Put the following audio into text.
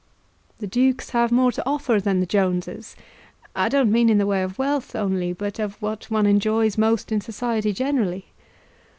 "The Dukes have more to offer than the Joneses; I don't mean in the way of wealth only, but of what one enjoys most in society generally."